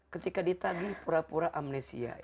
ketika ditagih pura pura amnesia